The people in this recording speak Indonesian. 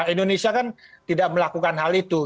indonesia kan tidak melakukan hal itu